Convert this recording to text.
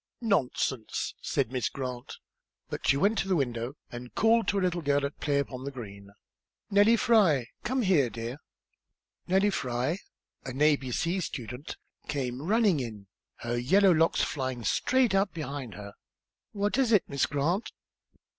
"Nonsense," said Miss Grant. But she went to the window and called to a little girl at play upon the green. "Nellie Fry! Come here, dear." Nellie Fry, an a, b, c student, came running in, her yellow locks flying straight out behind her. "What is it, Miss Grant?"